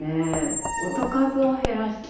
音数を減らして。